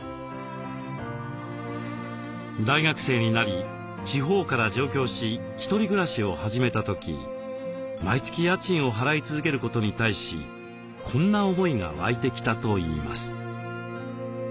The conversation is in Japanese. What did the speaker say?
大学生になり地方から上京し１人暮らしを始めた時毎月家賃を払い続けることに対しこんな思いが湧いてきたといいます。